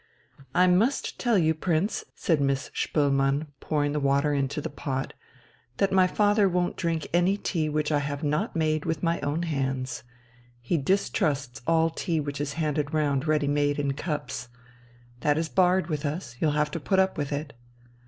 "I must tell you, Prince," said Miss Spoelmann, pouring the water into the pot, "that my father won't drink any tea which I have not made with my own hands. He distrusts all tea which is handed round ready made in cups. That is barred with us. You'll have to put up with it."